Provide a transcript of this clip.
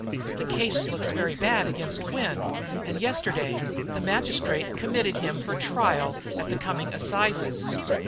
The case looks very bad against Wynne, and yesterday the magistrate committed him for trial at the coming assizes.